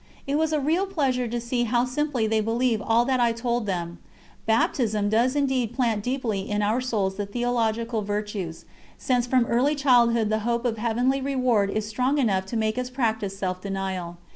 It was a real pleasure to see how simply they believed all that I told them. Baptism does indeed plant deeply in our souls the theological virtues, since from early childhood the hope of heavenly reward is strong enough to make us practise self denial.